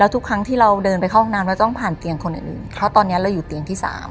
ทุกครั้งที่เราเดินไปเข้าห้องน้ำเราต้องผ่านเตียงคนอื่นเพราะตอนนี้เราอยู่เตียงที่๓